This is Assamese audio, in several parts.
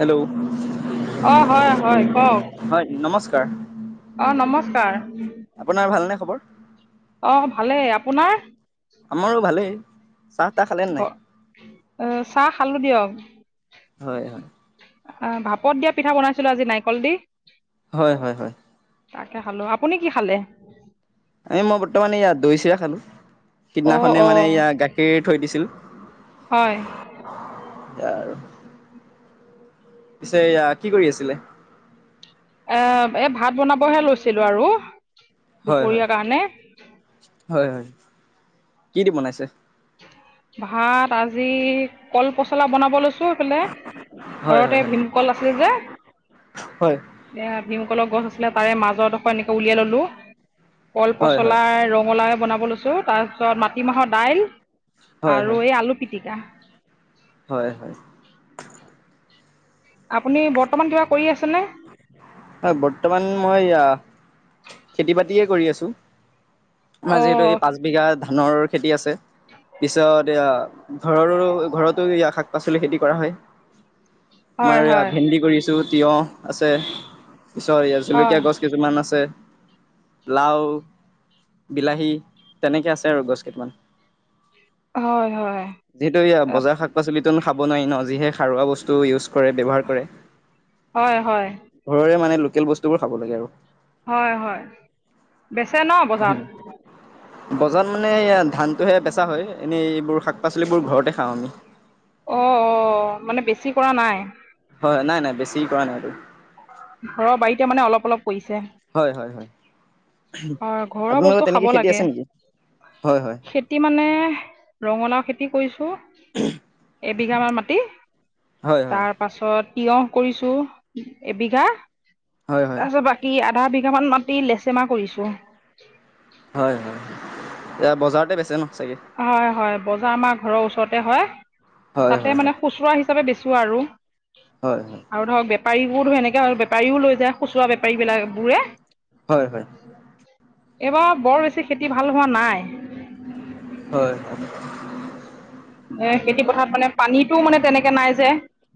হেল্ল' অ', হয় হয়, কওঁক। হয়, নমস্কাৰ। অ', নমস্কাৰ, আপোনাৰ ভালনে খবৰ অ', ভালেই, আপোনাৰ? আমাৰো ভালেই, চাহ-তাহ খালে নাই? অ', চাহ খালোঁ দিয়ক। হয় হয় অ', ভাপত দিয়া পিঠা বনাইছিলোঁ আজি নাৰিকল দি। হয়, হয়, হয়। তাকে খালোঁ, আপুনি কি খালে? এই মই বৰ্তমান এইয়া দৈ-চিৰা খালোঁ। অ সিদিনাখনেই অ মানে এইয়া গাখীৰ থৈ দিছিল। হয় সেইয়াই আৰু, পিছে এয়া কি কৰি আছিলে? এ-এই ভাত বনাবহে লৈছিলোঁ আৰু। হয় হয়, দুপৰীয়াৰ কাৰণে হয় হয়, কি দি বনাইছে? ভাত আজি কল পচলা বনাব লৈছোঁ এফালে হয় হয় ঘৰতে হয় ভীমকল আছিলে যে। হয় এইয়া ভীমকলৰ গছ আছিলে, তাৰে মাজৰডোখৰ এনেকে উলিয়াই ল'লো। কল হয় হয় পচলাই, ৰঙালাওৱে বনাব লৈছোঁ, তাৰপিছত মাটিমাহৰ দাইল হয় হয় আৰু এই আলু পিটিকা। হয় হয়। আপুনি বৰ্তমান কিবা কৰি আছেনে? হয়, বৰ্তমান মই খেতি-বাতিয়ে কৰি আছোঁ। অ আমাৰ যিহেতু এই পাঁচ বিঘা ধানৰ খেতি আছে। পিছত এইয়া ঘৰৰো-ঘৰতো শাক-পাচলি খেতি কৰা হয়। আমাৰ হয় এইয়া হয় ভেন্দি কৰিছোঁ, তিয়হ আছে, পিছত এইয়া হয় জলকীয়া গছ কেইজোপামান আছে। লাও, বিলাহী, তেনেকৈ আছে আৰু গছ কেইটামান। হয় হয় যিহেতু এইয়া বজাৰৰ শাক-পাচলিত খাব নোৱাৰি ন, যিহে সাৰুৱা বস্তু ইউজ কৰে, ব্যৱহাৰ কৰে। হয় হয়। ঘৰৰে মানে লোকেল বস্তুবোৰ খাব লাগে আৰু। হয় হয়, বেচে ন বজাৰত? বজাৰত মানে ধানটোহে বেচা হয়, এনেই এইবোৰ শাক-পাচলিবোৰ ঘৰতে খাওঁ আমি। অ' অ', মানে বেছি কৰা নাই? হয়, নাই নাই, বেছি কৰা নাই আৰু। ঘৰৰ বাৰীতে মানে অলপ অলপ কৰিছে? হয় হয় হয়, হয় ঘৰৰ আপোনালোকৰ বস্তু খাব তেনেকে খেতি লাগে আছে নেকি, হয় হয়। খেতি মানে, ৰঙালাও খেতি কৰিছোঁ এবিঘামান মাটি, হয় হয় তাৰ তাৰপাছত তিয়হ কৰিছোঁ এবিঘা, হয় হয় তাৰপাছত বাক কী আধা বিঘামান মাটি লেচেমা কৰিছোঁ। হয় হয়, এইয়া বজাৰতে বেছে ন চাগে? হয় হয়, বজাৰ আমাৰ ঘৰৰ ওচৰতে হয়, হয় হয় তাতে হয় মানে খুচুৰা হিচ চাপে বেচো আৰু, হয় হয় আৰু ধৰক বে পাৰীবোৰ ধৰক এনেকৈ আৰু বেপাৰীও লৈ যায় খুচুৰা বেপাৰীবিলাক-বোৰে। হয়, হয়। এইবাৰ বৰ বেছি খেতি ভাল হোৱা নাই। হয়, হয়। এ, খেতি পথাৰত মানে পানীতটোও মানে তেনেকে নাই যে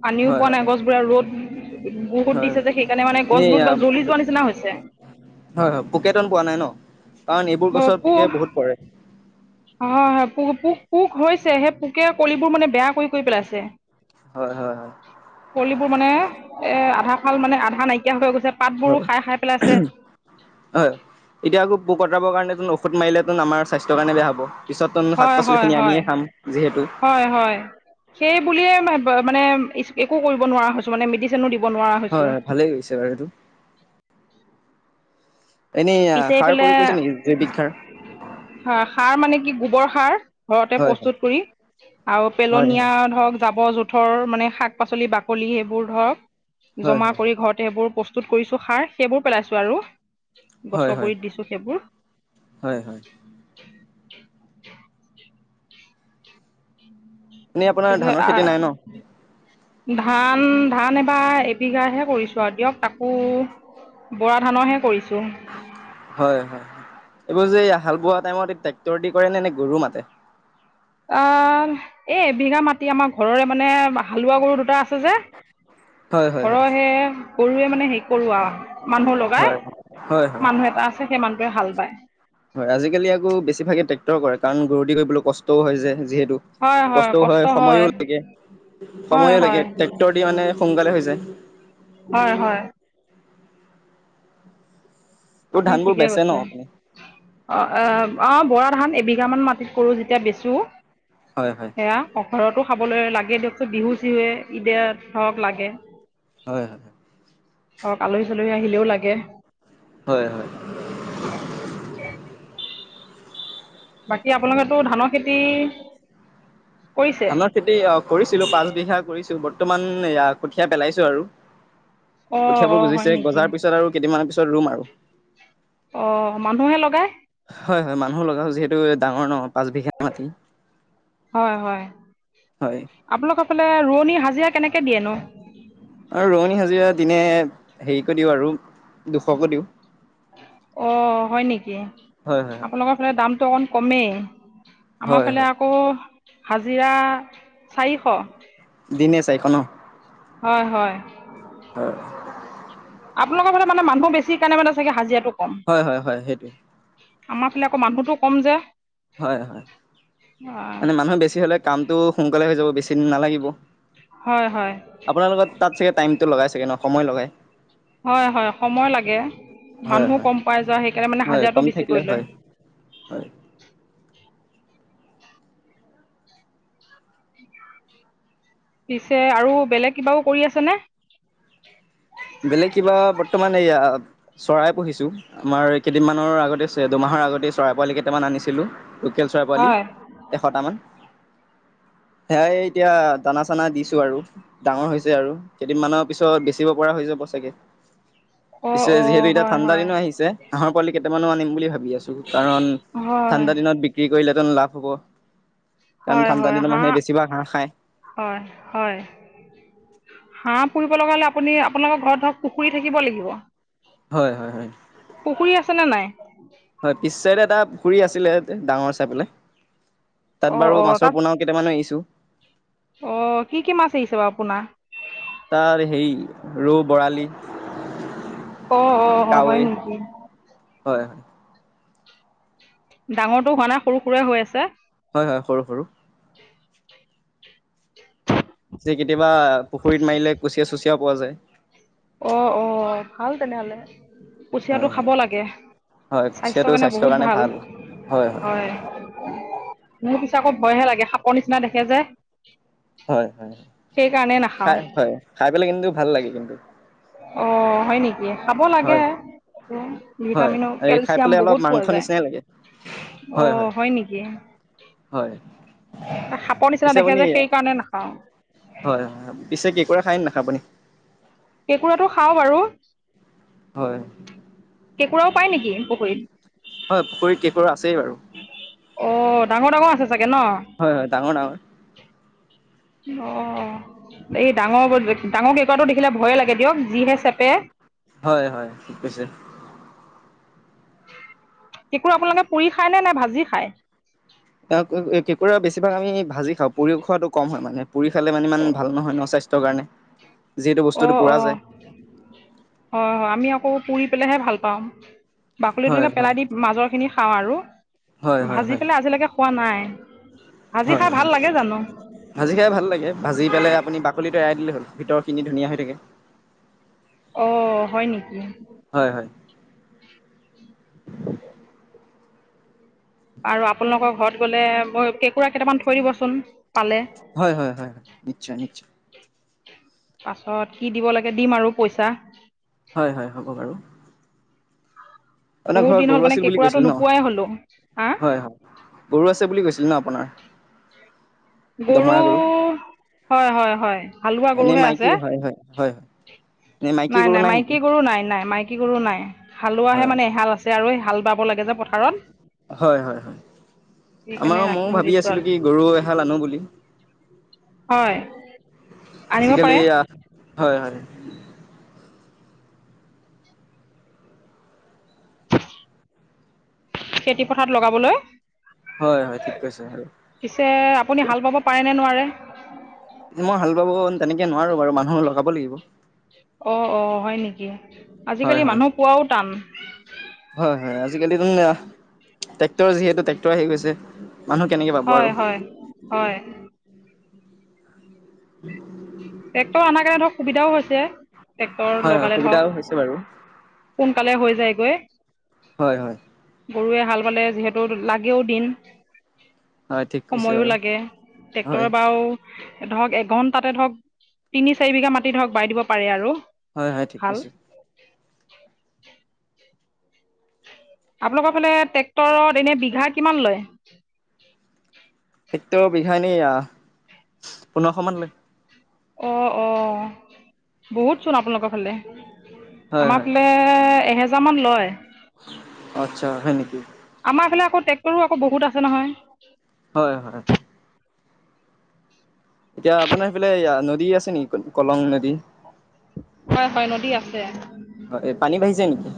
পানীও হয় পোৱা নাই, গছবোৰে ৰ'দ বহুত হয় দিছে হয় যে, সেইকাৰণে মানে এনেই গছবোৰ আ কিবা পোক জ্বলি যোৱা নিচিনা হৈছে। হয়, হয়, পোকে তন পোৱা নাই ন, কাৰণ এইবোৰ গছত পোকে বহুত পৰে। অহয়, অ, পোক, পোক, পোক হৈছে। সেই পোকে কলিবোৰ মানে বেয়া কৰি, কৰি পেলাইছে। হয়, হয়। হয় কলিবোৰ মানে এ, আধা ফাল মানে আধা নাইকিয়া হৈ গৈছে। পাতবোৰো হয়, খাই খাই পেলাইছে হয়, এতিয়া আকৌ পোক অটৰাবৰ কাৰনে তুমি অষ সধ মাৰিলেটোন আমাৰ স্বাস্থ্যৰ কাৰণে বেয়া হ'ব, পিছতোন শাক হয় হয় পাছলিখিনি হয় আমিয়ে খাম যিহেতু। হয়, হয়, সেই বুলিয়ে [unintelligible] মানে ইছ একো কৰিব নোৱাৰা হৈছ চো মানে, মেডিচিনো দিব নোৱাৰা হয় হৈছোঁ। হয় ভালেই কৰিছে বাৰু এইটো। এনেই আ, পিছে সাৰ এইফালে প্ৰয়োগ কৰিছে নেকি, জৈৱিক সাৰ। হয়, সাৰ মানে কি গোবৰ সাৰ। ঘৰতে হয় প্ৰস্তুত কৰি আৰু হয় পেলনীয়া ধৰক জাবৰ জো থৰ মানে শাক-পাচলি বাকলি সেইবোৰ ধৰক হয় হয় জমা হয় কৰি ঘৰত সেইবোৰ প্ৰস্তুত কৰিছো, সাৰ সেইবোৰ পেলাইছো আৰু হয় হয় গছৰ হয় গুৰিত দিছো সেইবোৰ। হয়, হয়। এনেই আপোনাৰ ধানৰ [unintelligible] খেতি আহ নাই ন ধান, ধান এইবাৰ এবিঘা হে কৰিছো আৰু দিয়ক তাকো বৰা ধানৰহে কৰিছো। হয়, হয়, এইবোৰ যে এই হাল বোৱা টাইমত, এই ট্ৰেক্টৰ দি কৰে নে, নে গৰু মাতে। আহ, এই বিঘা মাটি আমাৰ ঘৰৰে মানে হালোৱা গৰু দুটা আছ চে যে, হয় হয় হয় ঘৰৰহে গৰুৱে মানে হে কৰোৱা মানুহ লগাই, হয় হয় হয় মানুহ এটা আছে সেই মানুহটোৱে হাল বায়। হয়, আজিকালি আকৌ বেছিভাগে ট্ৰেক্টৰ কৰে, কাৰণ গৰুদি কৰিবলৈ কষ্টও হয় যে যিহেতু। কষ্টও হয়, সময়ো লাগে, হয় সময়ো লাগে, হয় ট্ৰেক্টৰ দি মানে সোনকালে হৈ যায়। হয়, হয়। তোৰ আপুনি ধানবোৰ ঠিকে বেচে ন কৈছে। আপুনি অ', অ', অ', বৰা ধান এবিঘামান মাটিত কৰোঁ, যেতিয়া বেচোঁ হয়, হয়। সেয়া, ঘৰতো খাবলৈ লাগে দিয়কচোন, বিহু চিহুৱে ইদে ধৰক লাগে। হয়, হয়। ধৰক আলহী, চালহী আহিলেও লাগে। হয়, হয়। [unintelligible] বাকী, আপোনালোকৰতো ধানৰ খেতি কৰিছে? ধানৰ খেতি অ', কৰিছিলো পাচবিঘা কৰিছো, বৰ্তমান এয়া কঠিয়া পেলাইছো আৰু অঁ কঠিয়াবোৰ অঁ হয় গজিছে, নেকি গজাৰ পিছত আৰু কেইদিনমানৰ পিছত ৰুম আৰু অ', মানুহহে লগাই। হয়, হয়, মানুহ লগাও, যিহেতু ডাঙৰ ন পাচ বিঘা। মাটি হয়, হয়। হয় আপোনালোকৰ ফালে, ৰোৱনী হাজিৰা কেনেকে দিয়ে নো? আৰু ৰঙনী হাজিৰা দিনে হেৰিকৈ দিওঁ আৰু দুশকৈ দিওঁ। অ হয় নেকি? হয় হয় হয় আপোনালোকৰ ফালে দামতটো অকণ কমেই। আমাৰ হয় হয় ফালে আকৌ হাজিৰা চাৰিশ। দিনে চাৰিশ ন। হয় হয়। আপোনোকৰ মানে মানুহ বেছি কেনে মানে চাগে হাজিৰাটো কম হয় হয় হয় সেইটোৱে। আমাৰ ফালে আক মানুহটো কম যে হয় হয়, হয় মানে মানুহে বেছি হলে কামটো সোনকালে হৈ যাব বেছি দিন নালাগিব। হয় হয়। আপোনালোকৰ তাত চাগে টাইমতটো লগাই চাগে ন সময় লগাই। হয় হয় সময় লাগে, হয় মানুহো হয় কম পাই যাওঁ সেইকাৰণে মানে হয় কম হাজিৰাটো বেছিক থাকিলে কৰি লয়। হয় হয় পিছে আৰু বেলেগ কিবাও কৰি আছেনে। বেলেগ কিবা বৰ্তমান এইয়া চৰাই পুহিছো আমাৰ কেইদিনমানৰ আগতে দুমাহৰ আগতে চৰাই পোৱালি কেইটামান আনিছিলো। লোকেল চৰাই পোৱালি হয় এশটামান সেয়াই এতিয়া দানা চানা দিছো আৰু। ডাঙৰ হৈছে আৰু, কেইদিনমানৰ পিছত বেচিব পৰা হৈ যাব চাগে। অ' পিছে যিহেতু অ' এতিয়া হয় ঠাণ্ড হয় দিনো আহিছে, হাঁহৰ পোৱালি কেইটামানো আনিম বুলি ভাবি আছো। কাৰণ হয় ঠাণ্ডা দিনত বিক্ৰী কৰিলেহেতো লাভ হ'ব, কাৰণ হয় ঠাণ্ডা হয় দিনত মানুহে হাঁহ বেছিভাগ হাঁহ খায়। হয় হয়। হাঁহ পুৰিব লগা হলে আপুনি আপোনালোকৰ ঘৰত ধৰক পুখুৰী থাকিব লাগিব। হয় হয় হয়। পুখুৰী আছেনে নাই হয় পিছেৰে এটা পুখুুৰী আছিলে ডাঙৰ চাই পেলাই। তাত অঁ বাৰু মাছৰ পোনা কেইটামানো এৰিছো। অ কি কি মাছ এৰিছে বাৰু পোনা? তাৰ হেৰি ৰৌ বৰালি অ অ অ হয় কাৱৈ নেকি? হয় ডাঙৰটো হোৱা নাই সৰু সুৰা হৈ আছে। হয় হয় সৰু সৰু। [inaudible] যে কেতিয়াবা পুখুৰীত মাৰিলে কুচিয়া চুচিয়া পোৱা যায়। অ অ ভাল তেনেহ'লে। কুচিয়াটো হয় খাব হয় লাগে, স্বাস্থ্যৰ কাৰণে বহুত ভাল হয়। মোৰ পিছে আকৌ ভয়হে লাগে সাপৰ নিচিনা দেখে যে। হয় হয়, সেইকাৰণে নাখাওঁ খাই হয় খাই পেলাই কিন্তু ভাল লাগে কিন্তু। অঁ হয় নি খাব লাগে, হয় হয় হয় ভিটামিনো এই খাই কেলচিয়াম পেলাই অলপ বহুত পোৱা মাংস যায়। নিচিনাই লাগে অ হয় নেকি? হয়। সাপৰ নিচিনা পিছে দেখে আপুনি যে সেই কাৰণে নাখাওঁ। হয় হয়, পিছে কেকুৰা খাই নাখাই আপুনি? কেঁকুৰাটো খাওঁ বাৰু। হয়। কেঁকুৰাও পাই নেকি পুখুৰীত?। হয়, পুখুৰীৰত কেঁকোৰা আছেই বাৰু। অ, ডাঙৰ ডাঙৰ আছে চাগে ন। হয় হয় ডাঙৰ [inaudible] অ। এই ডাঙৰ, ডাঙৰ কেকুৰাটো দেখিলে ভয়ে লাগে দিয়ক যিহে চেপে। হয়, হয় ঠীক কৈছে। কেকোঁৰা আপোনালোকে পুৰি খায় নে, নে ভাজি খায়?। কেকোঁৰা বেছিভাগ আমি ভাজি খাওঁ, পুৰি খোৱাটো কম হয় মানে। পুৰি খালে মানে ইমান ভাল নহয় ন স্বাস্থ্যৰ কাৰণে যিহেতু অঁ বস্তুটো পুৰা অঁ যায়। হয়, হয় আমি আকৌ পুৰি পেলাইহে ভাল পাম। বাকলি হয় তেনেকে হয় পেলাই দি মাজৰ খিনি খাওঁ আৰু, হয় হয় ভাজি পেলাই আজিলৈকে খোৱা নাই। ভাজি হয়, খাই হয়। ভাল লাগে জানো ভাজি খাই ভাল লাগে, ভাজি পেলাই আপুনি বাকলিটো পেলাই দিলে হ'ল ভিতৰ খিনি ধুনীয়া হৈ থাকে। [inaudible] অ, হয় নেকি। হয়, হয়। আৰু আপোনালোকৰ ঘৰত গ'লে, মই কেঁকুৰা কেইটামান থৈ দিবচোন পালে। হয়, হয়, হয়, নিশ্চয় নিশ্চয়। পাছত কি দিব লাগে, দিম আৰু পইচা। হয়, হয় হ'ব বাৰু। আপোনা বহুত ঘৰত দিন হ'ল গৰু মানে আছিল বুলি কেঁকুৰাটো কৈছিল ন, নোপোৱাই হ'লো হা হয়, হয় গৰু আছে বুলি কৈছিল ন আপোনাৰ। গৰু হয়, হয়, হয় হাল বোৱা এনেই গৰুহে মাইকী হয় হয় হয় হয় আছে। এনেই মাইকী নাই, গৰু নাই নেকি মাইকী গৰু নাই, নাই মাই। কী গৰু নাই, হালোৱাহে হয় মানে এগাল আছে, আৰু হাল বাব লাগে যে পথাৰত। হয়, হয়, হয় আমাৰ সেইকাৰণে ৰাখি ময়ো থৈ ভাবি দিছোঁ আছিলোঁ আৰু কি গৰু এহাল আনো বুলি। হয়। আনিব আজিকলি পাৰে হয়, হয়। খেতি পথাৰত লগাবলৈ। হয়, হয় ঠিক কৈছে আৰু। পিছে আপুনি হাল বাব পাৰে নে নোৱাৰে?। মই হাল বাব তেনেকে নোৱাৰো বাৰু, মানুহ লগাব লাগিব। অ, অ, হয় নেকি আজিকালি হয় হয় মানুহ পোৱাটোও টান। হয়, হয় আজিকালি তুম। ট্ৰেক্টৰ যিহেতু ট্ৰেক্ৰৰ আহি গৈছে, মানুহ কেনেকে পাব হয় আৰু। হয় হয়। [inaudible] ট্ৰেক্টৰ আমাৰ কাৰণে ধৰক সুবিধাও হৈছে, ট্ৰেক্টৰ হয় হয় লগালে সুবিধাও ধৰক। হৈছে বাৰু সোনকালে হৈ যায়গৈ। হয়, হয়। গৰুৱে হাল বালে, যিহেতু লাগেও দিন। হয় ঠিক কৈছে সময়ো বাৰু লাগে, হয় ট্ৰেক্টৰ বাৰু। ধৰক এঘন্টাতে ধৰক, তিনি চাৰি বিঘা মাটি ধৰক বাই দিব পাৰে আৰু। হয়, হয় ঠিক হাল কৈছা। আপোনালোকৰ ফালে ট্ৰেক্টৰত এনেই বিঘা কিমান লয়? ট্ৰেক্টৰৰ বিঘা এনেই পোন্ধৰশ মান লৈ। অ', অ', বহুত চোন আপোনালোকৰ ফালে। হয় আমাৰ হয় ফালে এহেজাৰমান লয়। আচা, হয় নেকি। আমাৰ ফালে আকৌ ট্ৰেক্টৰো আক বহুত আছে নহয়। হয়, হয়। এতিয়া আপোনাৰ সেইফালে নদী আছে নেকি? কলং নদী। হয়, হয় নদী আছে। হয়, এই পানী বাঢ়িছে নেকি?